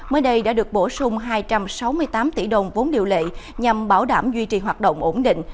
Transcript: mới đây đã được bổ sung hai trăm sáu mươi tám tỷ đồng vốn điều lệ nhằm bảo đảm duy trì hoạt động ổn định